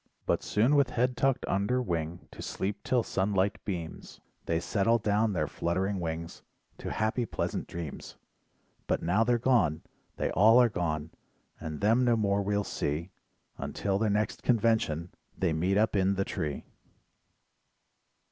But soon with head tucked under wing to sleep till sunlight beams, They settle down their fluttering wings to happy pleasant dreams, But now they're gone, they all are gone, and them no more we'll see Until their next convention they meet up in the tree.